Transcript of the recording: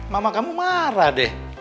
mama kamu marah deh